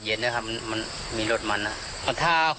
แล้วหรือมากิโลกรัมครับ